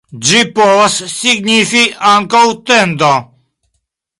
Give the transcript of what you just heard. Ĝi povas signifi ankaŭ "tendo".